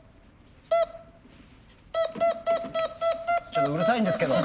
ちょっとうるさいんですけど。